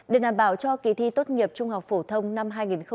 để đảm bảo cho kỳ thi tốt nghiệp trung học phổ thông năm hai nghìn hai mươi